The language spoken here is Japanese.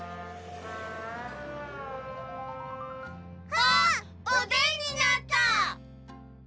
あっおでんになった！